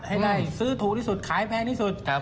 ให้ได้ซื้อถูกที่สุดขายแพงที่สุด